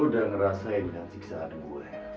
udah ngerasain dengan siksaan gue